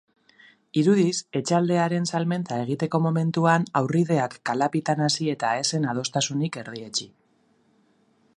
Irudiz, etxaldearen salmenta egiteko momentuan haurrideak kalapitan hasi eta ez zen adostasunik erdietsi.